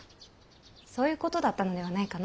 そういうことだったのではないかの。